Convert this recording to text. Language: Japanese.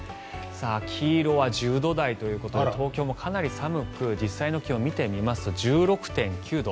黄色は１０度台ということで東京もかなり寒く実際の気温見てみますと１６．９度。